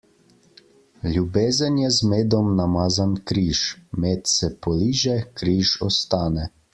Ljubezen je z medom namazan križ; med se poliže, križ ostane.